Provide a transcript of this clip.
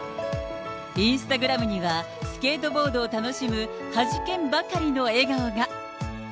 インスタグラムには、スケートボードを楽しむはじけんばかりの笑顔が。